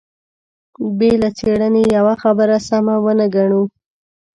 بې له څېړنې يوه خبره سمه ونه ګڼو.